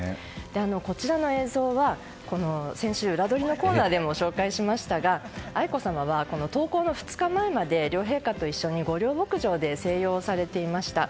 こちらの映像は先週、ウラどりのコーナーでも紹介しましたが愛子さまは登校の２日前まで両陛下と一緒に御料牧場で静養されていました。